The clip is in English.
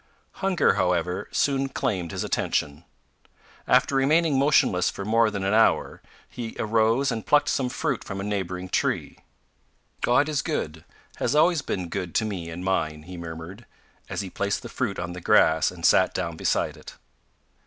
Hunger, however, soon claimed attention. After remaining motionless for more than an hour, he arose and plucked some fruit from a neighbouring tree. "God is good has always been good to me and mine," he murmured, as he placed the fruit on the grass and sat down beside it.